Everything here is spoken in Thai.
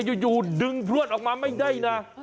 อยู่ดึงพลวดออกมาไม่ได้นะ